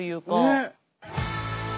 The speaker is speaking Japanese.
ねっ。